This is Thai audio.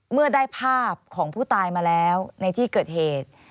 เมื่อได้ภาพของผู้ตายมาแล้วในที่เกิดเหตุ